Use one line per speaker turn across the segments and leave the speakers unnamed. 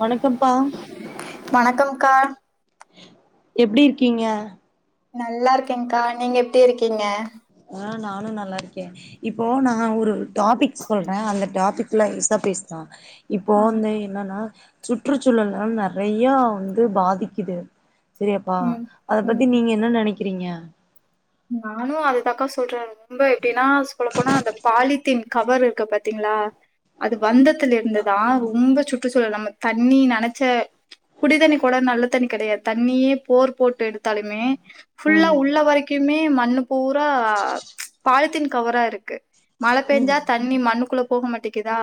வணக்கம்ப்பா
கா
எப்டி இருக்கிங்க
நல்லா இருக்கேங்க்கா நீங்க எப்டி இருக்கிங்க
நானு நல்லா இருக்கே இப்போ நா ஒரு டாபிக் சொல்ற அந்த டாபிக் லேசா பேசலா இப்போ
ஆ,
வந்து என்னனா சுற்றுச்சூழல நறையா வந்து பாதிக்குது செரியப்பா
ம்
அத பத்தி நீங்க என்ன நெனைக்கிறீங்க
நானு அது தாக்கா சொல்ற ரொம்ப எப்டீனா சொல்லப்போனா அந்த பாலித்தீன் கவர் இருக்கு பாத்தீங் ளா அது வந்தத்துல் இருந்துதா ரொம்ப சுற்றுச் சூழல் நம்ம தண்ணி நெனச்ச குடி தண்ணி கூட நல்ல தண்ணி கெடையாத் தண்ணியே போர் போட்டெடுத் தாலுமே ஃபுல்லா
ம்
உள்ள வரைக் கிமே மண்ணு பூரா பாலித்தீன் கவரா இருக்கு மழ
ம்
பேஞ்சா தண்ணி மண்ணுக்குள்ள போக மாட்டேக்குதா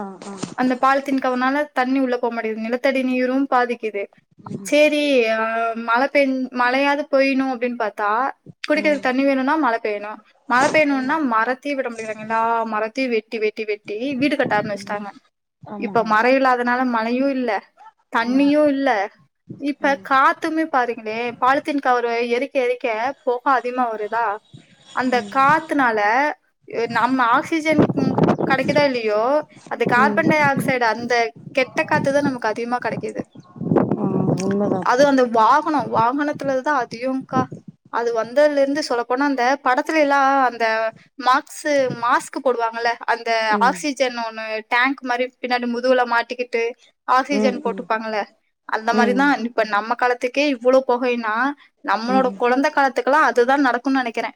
ஆ ஆ
அந்த பால்த்தீன்கவர்னால தண்ணி உள்ள போமாட்டேகிது நிலத்தடி நீரு பாதிக்கிது செரி அ மழ பேன் மழையது பொய்னு அப்டின் பாத்தா குடிக்கிறது
ம்
தண்ணி வேணுனா மழ பெய்ணு மழ
ம்
பெய்ணுனா மரத்தி விட முடியராங்க எல்லா மரத்தியு வெட்டி வெ ட்டி வெட்டி வீடு கட்ட
ம்
ஆர்ம்பிஷ்ட்டாங்க இப்ப
ஆமாங்க
மர இல்லாதனால மழ இல்ல
ம்
தண்ணியு இல்ல இப்ப
ம்
காத்துமே பாருங்களே பாலித்தீன் கவருவ எரிக்க எரிக்க பொ க அதிமா வருதா அந்த காத்துனால அ நம்ம ஆக்சிஜன் ம் கடைக்குதா இல்லியோ அந்த
ம்
கார்பன் டை ஆக்சைடு அந்த கெட்ட காத்துதா நமக்கு அதிகமா கடைக்கிது
ஆ
அது
உண்மதாப்பா
அந்த வாகனோ வாகனத்துலதுதா அதியு கா அது வந்ததுலருந்து சொல்ல போனா அந்த படத்துலெல்லா அந்த மாக்ஸு மாஸ்க்கு போடுவாங்கல்ல அந்த
ம்
ஆக்சிஜன் ஒண்ணு டேங்க் மாரி பின்னாடி முதுகுல மாட்டிக்கிட்டு
ம்
ஆக்சிஜன்
ம்
போட்டுப்பாங்கள அந்த
ம்
மாரிதா இப்ப நம்ம காலத்துக்கே இவ்வளோ பொகைன்னா நம்மளோட
ம்
குழந்த காலத்துக்கெல்லா அதுதா நடக்குன் நெனைக்கிறே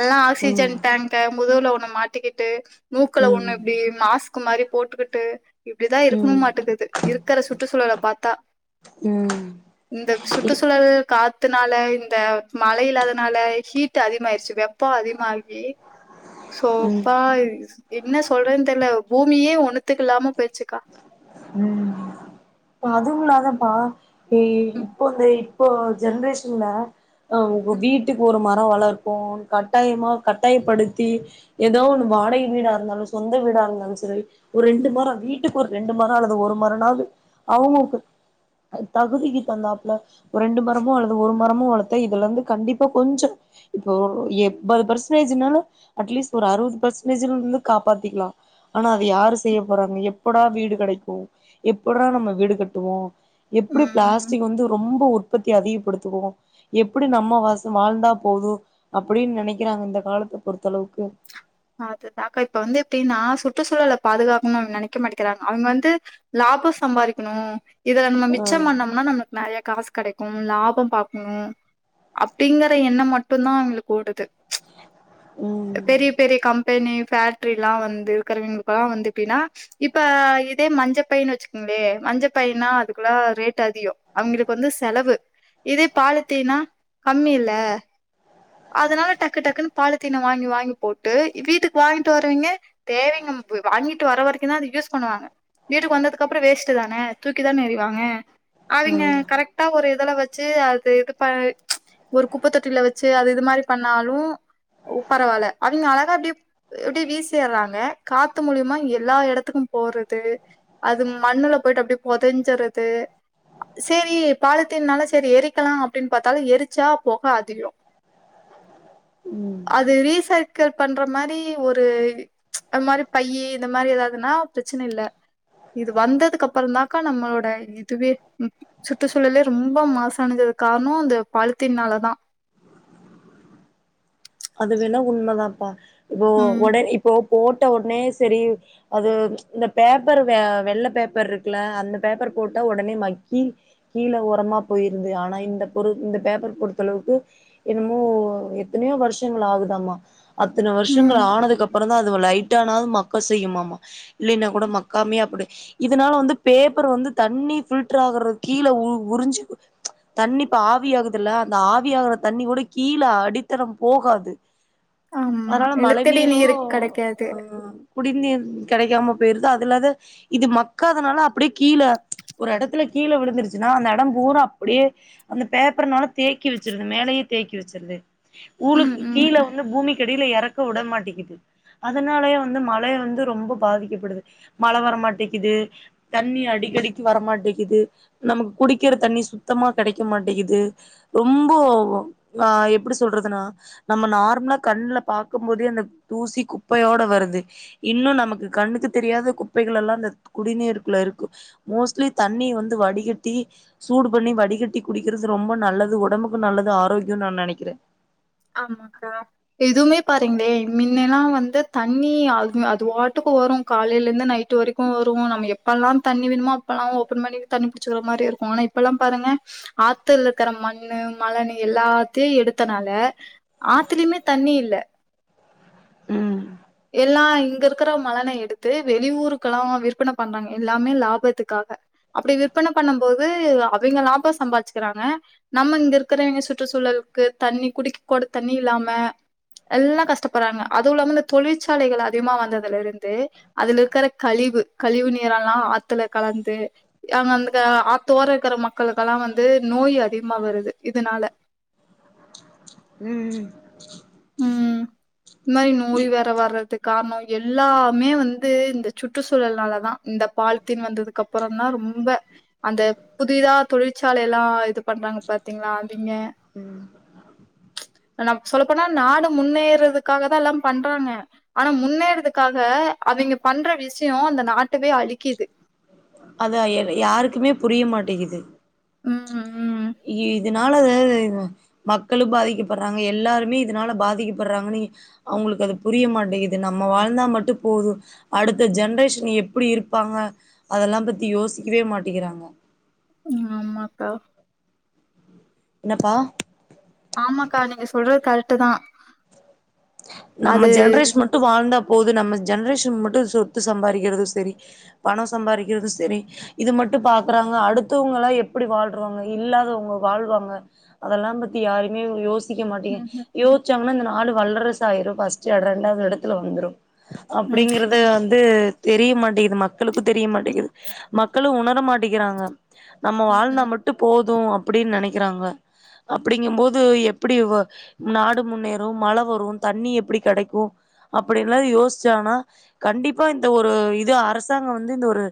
எல்லா ஆக்சிஜன் டேங்க் க முதுவுல ஒண்ணு மாட்டிக்கிட்டு மூக்குல
ம்
ஒண்ணு இப்டி மாஸ்க்கு மாரி போட்டுக்கிட்டு இப்டிதா
ம் ம்
இருக்கும் மாட்டுகுது இருக்கற சுற்றுச்சூழல பாத்தா
ம்
இந்த
இப்
சுற்றுச்சூழல் காத்து னால இந்த மழை இல்லாதத்னால ஹீட்டு அதிகமாய்ர்ச்சி வெப்போ அதிகமாகி சோ
ம்
ப்பா என்ன சொல்றேன் தெர்ல பூமியே ஒன்னுதுக்கில்லாம போய்ச்சிக்கா
அதுவு இல்லாதபா இ இப்போ இந்த இப்போ ஜென்ரேஷின்ல அ வ் வ் வீட்டுக் ஒரு ம ரோ வள்ர்ப்போன் கட்டாயமா கட்டாயப்படுத்தி எதோ ஒன்னு வாடகை வீடா இருந்தாலு சொந்த வீ டா இருந்தாலு செரி ஒரு ரெண்டு மரோ வீட்டுக் ஒர் ரெண்டு மரோ அல்லது ஒரு மரமாவ்து அவுங்குளுக்கு த தகுதிக்கி தகுந்தாப்புல ஒரு ரெண்டு மரமோ அல்லது ஒரு மரமோ வளத்த இதுலந்து கண்டிப்பா கொஞ்சோ இப்போ ஒரு எம்பது பர்ஸ்ன்டேஜுனா அட்லீஸ் ஒரு அறுவது பர்ஸ்ன்டேஜ்லில்ந்து காப்பாத்திக்லா ஆனா அது யாரு செய்ய போறாங்க எப்படா வீடு கெடைக்கு எப்படா நம்ம வீடு கட்டுவோ எப்புடி
ம்
பிளாஸ்டிக் வந்து ரொம்போ ஒ உற்பத்தி அதிகப்படுத்துவோ எப்படி நம்ம வாசம் வாழ்ந்தா போது அப்படின் நெனைக்கிறாங் இந்த காலத்த பொறுத்
அதுதாக்கா இப்ப வந்து எப்டினா சு ற்றுச்சூழல பாதுகாக்கணுன் நெனைக்க மாட்டேக்கிறாங்க அவுங் வந்து லாபோ சம்பாதிக்கணு இதுல நம்ம
ஆ
மிச்சம் பண்ணம்னா நமக் நெறைய காசு கெடைக்கும் லாபம் பாக்கண அப்டிங்கற எண்ணம் மட்டுந்தா அவுங்ளுக் ஓடுது
ம்
பெரிய பெரிய கம் பெனி ஃபேக்ட்ரில்லா வந்து கருவிங்ள்க்கெல்லா வந்து எப்டினா இப்ப இதே மஞ்ச பைனு வச்சுக்கோங் ளே மஞ்ச பைனா அதுக்கலா ரேட் அதிகோ அவுங்குளுக் வந்து செலவு இதே பாலத்தீனா கம்மி இல்ல அதனால டக்கு டக்குனு பாலத்தீன வாங்கி வாங்கி போட்டு வீட்டுக் வாங்கிட்டு வரவீங்க தேவிங்க ம் ப அ வாங்கிட்டு வர வரைக்கு தா அத யூஸ் பண்ணுவாங்க வீட்டுக் வந்ததுக்ககப்புறோ வேஸ்டு தான தூக்கி தான எறிவாங்க அவிங்க
ம்
கரெக்டா ஒரு இதல வச்சி அது இது ப ஒரு குப்ப தொட்டில வெச்சு அது இது மாரி பண்ணாலு ஒ ஒ பரவால்ல அவிங்க அழகா எப்டி எப்டி வீசியறாங்க காத்து மூலியுமா எல்லா எடத்துக்கு போ போறது அது மண்ணுல போய்ட்டு அப்டே பொதெஞ்சறது சரி பாலித்தீன்னால சரி எரிக்கலாம் அப்டின்னு பாத்தாலும் எரிச்சா பொக அதிகோம்
ம்
அது ரீசைக் க்கள் பண்ற மாரி ஒரு அ மாரி பையி இந்த மாரி ஏதாவதுன்னா பிரச்சனை இல்ல இது வந்ததுக்கு அப்புறந்தாக்கா நம்ளோட இதுவே சுற்றுச்சூழலே ரொம்ப மாசானதே காரணம் இந்த பலித்தீன்னால தான்
அது வேணா உண்மைதான்ப்பா இப்போ
ம்
உட இப்போ போட்ட உடனே சரி அது இந்த பேப்பர் வெள்ள பேப்பர் இருக்குல அந்த பேப்பர் போட்ட உடனே மக்கி கீழ உரமா போயிருது ஆனா இந்த பொரு இந்த பேப்பர் பொறுத்தளவுக்கு என்னமோ எத்தனையோ வருஷங்கள் ஆகுதாமா அத்தனை வருஷங்கள்
ம்
ஆனதுக்கு அப்புறம் தான் அ து லைட்டான்னாது மக்க செய்யும்மா இல்லைன்னா கூட மக்காமே அப்ப இதனால வந்து பேப்பர் வந்து தண்ணி பில்டர் ஆகுறது கீழே உறிஞ்சு தண்ணி இப்ப ஆவி ஆகுது இல்ல அந்த ஆவி ஆகுற தண்ணி கூட கீழே அடித்தடம் போகாது
ஆமா
அதனால மழை
நிலத்தடி நீர்
நீரும்
கெடைக்காது.
ஆ குடிநீர் கிடைக்காம போயிருது அதுல்லாத இது மக்காதனால அப்படியே கீழ ஒரு இடத்துல கீழே விழுந்துருச்சின்னா அந்த இடம் பூரா அப்படியே அந்த பேப்பர்னால தேக்கி வச்சிருது மேலயே தேக்கி வச்சிருது
ம்
ஊழுக்கு
ம்.
கீழே வந்து பூமி அடியில இறக்க விடமாட்டிக்கிது அதனாலயே வந்து மழை வந்து ரொம்ப பாதிக்கப்படுது மழை வர மாட்டேங்கிது தண்ணி அடி டிக்கடிகு வர மாட்டேங்கிது நமக்கு குடிக்கிற தண்ணி சுத்தமா கிடைக்க மாட்டேங்கிது ரொம்போ போவு எப்படி சொல்றதுனா நம்ம நார்மலா கண்ணுல பார்க்க போதே அந்த தூசி குப்பையோட வருது இன்னும் நமக்கு கண்ணுக்கு தெரியாத குப்பைகளெல்லா இந்த குடிநீருக்குள்ள இருக்கு மோஸ்ட்லி தண்ணி வந்து வடிகட்டி சூடு பண்ணி வடிகட்டி குடிக்கறது ரொம்ப நல்லது ஒடம்புக்கு நல்லது ஆரோக்கியம்னு நா நெனைக்கறேன்
ஆமாக்கா எதுவுமே பாருங்களே மின்னெல்லா வந் வந்து தண்ணி அது அது வாட்டுக்கு வரும் காலைலந்து நைட்டு வரைக்கும் வரும் நம்ம எப்பல்லா தண்ணி வேணு மோ அப்பல்லா ஓபன் பண்ணி தண்ணி புடிச்சக்கற மாரி இருக்கு ஆனா இப்பெல்லா பாருங்க ஆத்ல இருக்கற மண்ணு மழ எல்லாத்தையு எடுத்தனால ஆத்துலயுமே தண்ணி இல்ல
உம்
எல்லா இங்க இருக்கற மணல எடுத்து வெளிய ஊருக்கெல்லாம் விற்பன பண்றாங்க எல்லாமே லாபத்துக்கா அப்டி விற்பன பண்ணும் போது அவிங்க லாபம் சம்பாதிச்சுக்கறாங்க நம்ம இங்க இருக்கறவய்ங்க சுற்று சூழலுக்கு தண்ணி குடிக்கூட தண்ணி இல்லாம எல்லா கஷ்டப்படுறாங்க அதுவும்ல்லாம தொழிற்சாலைகள் அதிகமா வந்ததுலருந்து அதுல இருக்கற கழிவு கழிவு நீரல்லாம் ஆத்துல கலந் வந்து அங்க அந் ஆத்தோர இருக்கற மக்களுக்கல்லாம் வந்து நோய் அதிகமா வருது இதனால [inaudible]
உம் உம்
இது மாரி நோய் வேற வர்றதுக்கு காரணம் எல்லாமே வந்து இந்த சுற்றுச்சூழல்னால தா இந்த பால்த்தீன் வந்ததுக்கு அப்பறம் தா ரொம் ம்ப அந்த புதிதா தொழிற்சாலை எல்லா இது பண்றாங்க பாத்தீங்களா அவிங்க
ம்
நா சொல்லப் போனா நாடு முன்னேறதுக்காக தா எல்லா பண்றாங்க ஆனா முன்னேறதுக்காக அவிய்ங்க பண்ற ண்ற விஷயம் அந்த நாட்டுவே அழிக்கிது
அதா ஏ யாருக்குமே புரிய மாட்டேகுது
ஹம் உம்
இதனால மக்களு பாதிக்கப்படுறாங்க எல்லாருமே இதனால பாதிக்கப்படுறாங்கன்னு அவங்களுக்கு அது புரிய மாட்டேகுது நம்ம வாழ்ந்தா மட்டு போதும் அடுத்த ஜெனரேஷன் எப்டி இருப் ப்பாங்க அதெல்லா பத்தி யோசிக்கவே மாட்டிக்கிறாங்க
ம் ஆமாக்கா
என்னப்பா
ஆமாக்கா நீங்க சொல்றது கரட்டு தான்
நம்ம ஜென்ரேஷ் மட்டு வாழ்ந்தா ப் போது நம்ம ஜென்ரேஷன் மட்டு சொத்து சம்பாரிக்கிறது சரி பணம் சம்பாரிக்கிறதும் சரி இது மட் மட்டு பாக்குறாங்க அடுத்தவங்கலா எப்டி வாழ்ராங்க இல்லாதவங்க வாழ்வாங்க அதெல்லா பத்தி யா மே யோசிக்க மாட்டிங்க
ம்
யோச்சாங்னா இந்த நாடு வல்ட்ரசு ஆயிரு ஃபர்ஸ்ட் ரா ரெண்டாவது எடத்துல வந்துரு
ம்
அப்டிங்கறது வந்து தெரிய மாட்டிக்குது மக்களுக்கு தெரிய மாட்டிக்குது மக்களு உணர மாட்டிக்கிறாங்க நம்ம வாழ்ந்தா
ம்
மட்டு போது அப்டின் நனைக்கறாங்க அப்டிங்கம்போது எப்டி வ நாடு முன்னேறு மழ வரு தண்ணி எப்டி கெடைக்கு அப்டியெல்லா யோச்சாங்னா கண்டிப்பா இந்த ஒரு இது அரசாங் வந்து இந்த ஒரு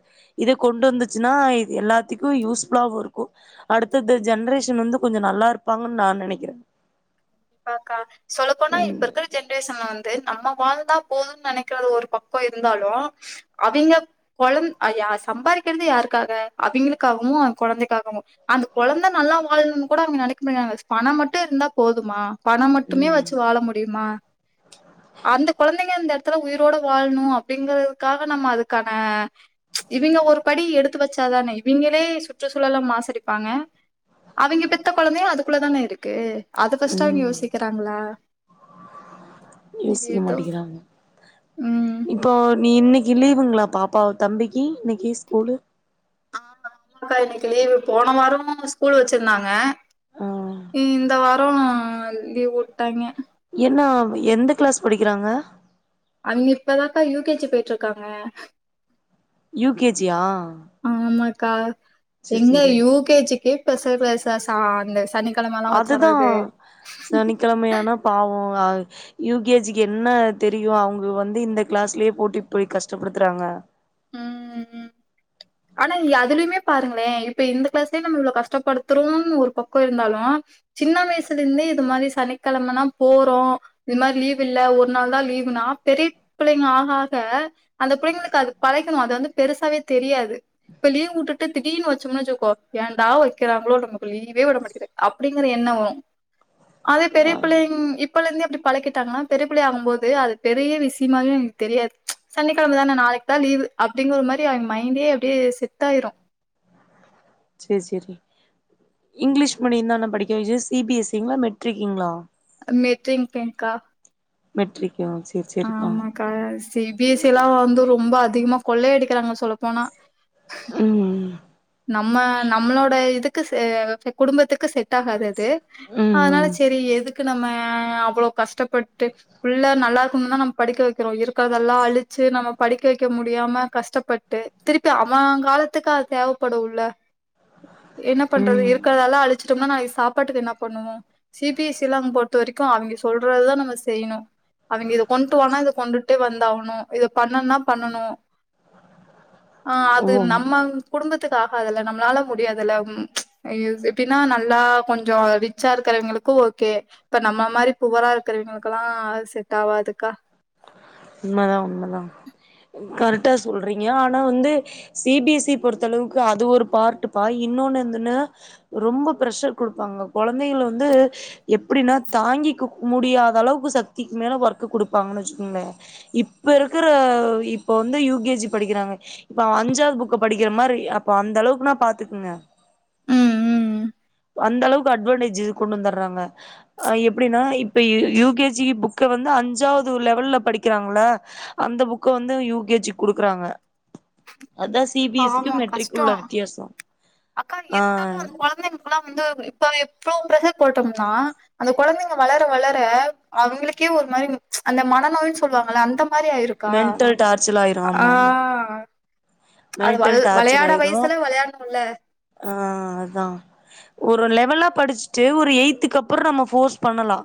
இது கொண்டு வந்துச்சுன்னா இது எல்லாத்திக்கு யூஸ்ஃபுல்லாவு இருக்கு அடுத்த இந்த ஜெ ஜென்ட்ரேஷன் வந்து கொஞ்சோ நல்லாருப்பாங்கன் நா நெனைக்குறே
கண்டிப்பாக்கா சொல்ல போனா
ம்
இப்ப இருக்குற ஜென்ரேஷன்ல வந்து நம்ம வாழ்ந்தா போதுன் நெனைக்கறது ஒரு பக்கோ இருந்தாலு அவிங்க கொழந் யா சம்பாரிக்கறது யாருக்காக அவிங்களுக்காகவு அவங் கொழந்தைக்காகவு அந்த கொழந்த நல்லா லா வாழ்னு கூட அவிங்க நெனக்க மாட்டாக பணம் மட்டு இருந்தா போது மா பணோ மட்டுமே
ம்
வச்சு வாழ முடியுமா அந்த கொழந்தைங்க இந்த எடத்துல உயிரோட வாழணு அப்டிங்கதுக்காக நம்ம அதுக்கான இவிங்க ஒரு படி எடுத்து வச்சாதானே இவிங்களே சுற்றுச்சூழல மாசடிப்பாங்க அவிங்க பெத்த கொழந்தையு அதுக்குள்ள தானே இருக்கு அது ஃபர்ஸ்ட் அவிங்க
ம்
யோசிக்கறாங்ளா
[inaudible] மாட்டிகிறாங்க இப்போ ப்ப நீ இன்னிக்கு லீவுங்ளா பாப்பாவ தம்பிக்கி இன்னிக்கு ஸ்கூலு
ஆ ஆமாக்கா இன்னைக்கு லீவு போன வாரமு ஸ்கூல் வச்சிருந்தாங்க
ஆ
இந்த வாரோ லீவ் உட்டாய்ங்க
என்ன எந்த கிளாஸ் படிக்றாங்க
அவிங்க இப்பதாக்கா யூ கே ஜி பேயிட்ருக்காங்க
யூ கே ஜி யா
ஆமாக்கா
சேரி
எங்க
சேரி
யூ கே ஜி க்கே [inaudible] சா அந்த சனி
அதுதா சனிக்கெழமையானா பாவொ அது யூ கே ஜி க்கு என்ன தெரியு அவங்க வந்து இந்த கிளாஸ்லயே போட்டு இப்டி கஷ்டப்படுத்துறாங்க
ம் ம் ஆனா அதுலியுமே பாருங்களே இப்ப இந்த கிளாஸ்லே நம்ம இவ்ளோ கஷ்டப்படுத்துறோன் ஒரு பக்கோ இருந்தாலு சின்ன வய்சுலேந்தே இது மாரி சனிக்கெழமனா போறோ இது மாரி லீவ் இல்ல ஒரு நாள் தா லீவ் லீவுனா பெரிய புள்ளைங்க ஆக ஆக அந்த புள்ளைங்களுக்கு அது பழக்கணு அது வந்து பெருசாவே தெரியாது இப்ப லீவ் உட்டுட்டு திடீர்னு வச் சம்னு வச்சுக்கோ ஏன்டா வைக்கிறாங்ளோ நமக்கு லீவே விட மாட்டிகிறாங்க அப்டிங்ற எண்ண வரு அதே
ஆ
பெரியே பிள்ளேங் இப்பலேந்தே அப்டி பழக்கிட்டாங்னா பெரிய பிள்ளை ஆகு போது அது பெரிய விஷயமாவே அவிங் தெரியாது சனிக்கெழம தான நாளைக் லா லீவ் அப்டிங் ஒரு மாரி அவங்க மைண்டே அப்டே செட்டாயிரு
சேரி சேரி இங்கிலீஷ் மீடிய தான படிக்க வச்சது பி எஸ் சி ங்ளா மெட்ரிக் ங்ளா
மெட்ரிக் ங் க்கா
மெட்ரிக்கு சேரி சேரிப்பா
ஆமாக்கா சி பி எஸ் சி எல்லா வந்து ரொம்ப அதிகமா கொள்ளையடிக்றாங்க சொல் சொல்ல போனா
ம்
நம்ம நம்ளோட இதுக்கு சே குடும்பத்துக்கு செட் ஆகாது அது து
ம்
அதனால செரி எதுக் கு நம்ம அவ்ளோ கஷ்டப்பட்டு புள்ள நல்லாருக்குனு தா நம்ம படிக்க வைக்குறோ இருக்கறதெல்லா அழிச்சு சு நம்ம படிக்க வைக்க முடியாம கஷ்டப்பட்டு திருப்பி அவ காலத்துக்கு அது தேவப் படு ல என்ன
ம்
பண்றது
ம்
இருக்கறதெல்லா அழிச்ச சுடம்னா நாளைக்கு சாப்பாட்டுக்கு என்னா பண்ணுவோ சி பி எஸ் இ லா அங் பொறுத்த வரைக்கு அவிங்க சொல்றதுதா நம்ம செய்ணு அவங்க இத கொண்டு வானா இத கொண்டுட்டே வந்தாவணு இத பண்ணுனா பண்ணணு ஆ அது
ஓ
நம்ம குடும்ப த்துக்கு ஆகாதுல நம்மளால முடியாதுல எப்டின்னா நல்லா கொஞ்ச ரிச்சா இருக்கிறவங்களு ஓகே இப்ப நம்ம மாரி புவரா இருக்கிறவங்களுக்கெல்லா செட் ஆவாதுக்கா
உண்மதா உண்மதா கரெக்டா சொல்றீங்க ஆனா வந்து சி பி எஸ் இ பொறுத்தளவுக்கு அது ஒரு பார்ட் பா இன் இன்னுனு என்னான ரொம்ப பிரஷர் கொடுப்பாங்க கொழந்தைங்கள வந்து எப்டினா தாங்கி க்கு முடியாத அளவுக்கு சக்திக்கு மேல ஒர்க்கு கொடுப்பாங்கன்னு வச்சுக்கோங்களே இப்ப இருக்கிற இப்ப வந்து யூ கே ஜி படிக்கிறாங்க இப்ப அஞ்சாது புக்க படிக்கிற மாரி அப்போ அந்த அளவுக்கு நா பாத்துக்குங்க அந்த அளவுக்கு அட்வான்டேஜ் இது கொண்டு வந்துடுறாங்க எப்புடின்னா இப்ப யூ கே ஜி புக்க வந்து அஞ்சாவது லெவல்ல படிக் க்கிறாங்கள அந்த புக்க வந்து யூ கே ஜி கொடுக்குறாங்க அதா சி பி எஸ் சி க்கு
பாவோ
மெட்ரிக் உள்ள
கஷ்டோ
வித்தியாச
அக்கா இருந்தாலு அந்த கொழந்தைங்களுக்கெல்லா வந்து இப்பவே டூ பிரசர் போட்டம்னா அந்த கொழந்தைங்க வளர வளர அவங்களுக்கே ஒரு மாரி ச் அந்த மா மன நோய்னு சொல்லுவாங்கள அந்த மாரி ஆயிருக்கா
மென்டல் டார்ச்சல் ஆயிரு ஆமா ஆமா
அது வள்
மென்டல் டார்ச்சர்
வெளையாட
ஆயிரு
வயசுல வெளையாடணும்ல
ஆ அதா ஒரு லெவலா படிச்சுட்டு ஒரு எய்த்துக்கு அப்பற நம்ம போர்ஸ் பண்ணலா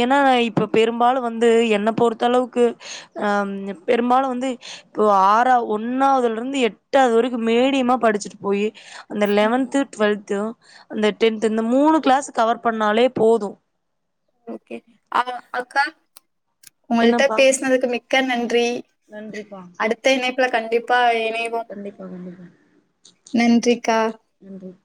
ஏன்னா இப்ப பெரும்பாலு வந்து என்ன பொறுத்த அளவுக்கு பெரும்பாலு வந்து ஆற ஒன்னாவதுல இருந்து எட் டாவது வரைக்கு மேடியமா படிச்சுட்டு போய் அந்த லெவன்து டுவெல்து அந்த டென்த் இந்த மூணு கிளாஸ் கவர் பண்ணாலே போது
ஓகே அக்கா உங்கள்ட்ட
என்னப்பா
பேசனதுக்கு மிக்க நன்றி ன்றி
நன்றிப்பா
அடுத்த இணைப்புல கண்டிப்பா
கண்டிப்பா கண்டிப்பா
நன்றிக்கா
நன்றி